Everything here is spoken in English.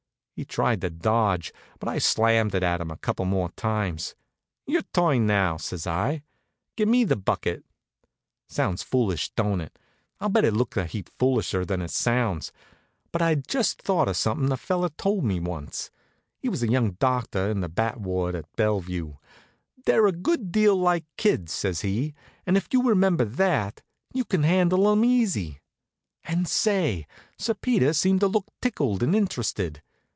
He tried to dodge; but I slammed it at him a couple more times. "Your turn now," says I. "Gimme the bucket." Sounds foolish, don't it? I'll bet it looked a heap foolisher than it sounds; but I'd just thought of something a feller told me once. He was a young doctor in the bat ward at Bellevue. "They're a good deal like kids," says he, "and if you remember that, you can handle 'em easy." And say, Sir Peter seemed to look tickled and interested.